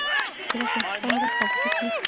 د واک انحصار ملت خوابدی کوي.